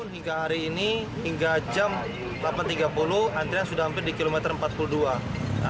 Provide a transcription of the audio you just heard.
hingga hari ini hingga jam delapan tiga puluh antrian sudah hampir di kilometer empat puluh dua